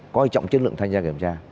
có ý trọng chất lượng thanh tra kiểm tra